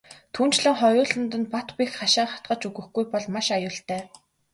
Түүнчлэн хоёуланд нь бат бэх хашаа хатгаж өгөхгүй бол маш аюултай.